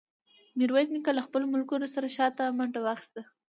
میرویس نیکه له خپلو ملګرو سره شاته منډه واخیسته.